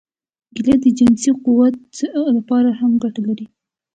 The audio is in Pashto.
کېله د جنسي قوت لپاره هم ګټه لري.